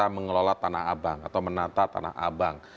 mengelola tanah abang atau menata tanah abang